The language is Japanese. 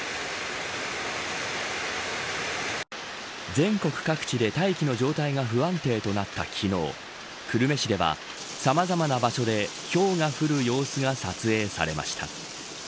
全国各地で大気の状態が不安定となった昨日久留米市ではさまざまな場所でひょうが降る様子が撮影されました。